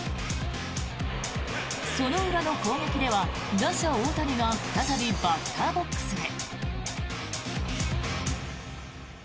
その裏の攻撃では打者・大谷が再びバッターボックスへ。